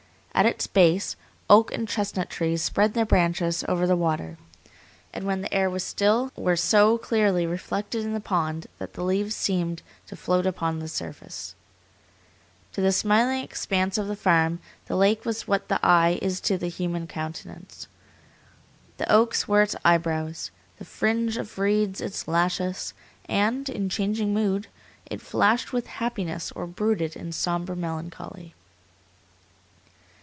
At its base, oak and chestnut trees spread their branches over the water, and when the air was still were so clearly reflected in the pond that the leaves seemed to float upon the surface. To the smiling expanse of the farm the lake was what the eye is to the human countenance. The oaks were its eyebrows, the fringe of reeds its lashes, and, in changing mood, it flashed with happiness or brooded in sombre melancholy.